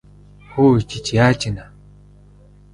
Хөөе чи чинь яаж байна аа?